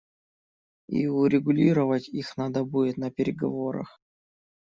И урегулировать их надо будет на переговорах.